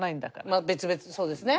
まあ別々そうですね。